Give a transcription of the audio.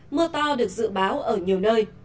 mưa to được dự báo ở nhiều nơi